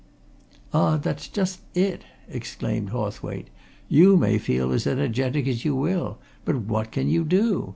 "Ah, that's just it!" exclaimed Hawthwaite. "You may feel as energetic as you will, but what can you do?